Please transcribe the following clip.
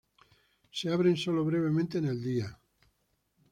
Se abren sólo brevemente en el día.